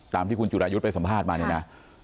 ตามที่คุณจุรายุทธ์ไปสัมภาษณ์มาเนี่ยนะ